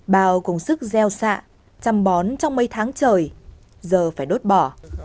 bao cùng sức gieo xạ chăm bón trong mấy tháng trời giờ phải đốt bỏ